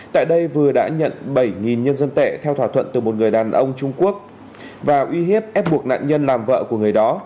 tại đây vừa đã nhận bảy nhân dân tệ theo thỏa thuận từ một người đàn ông trung quốc và uy hiếp ép buộc nạn nhân làm vợ của người đó